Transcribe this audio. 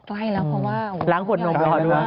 ใกล้แล้วเพราะว่าล้างขวดนมรอด้วย